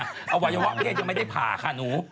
เหมือนปลอยค่ะเอาวัยวะเพศยังไม่ได้ผ่าค่ะหนู